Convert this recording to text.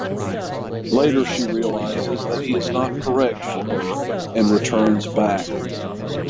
Later she realises that he is not correct for her and returns back.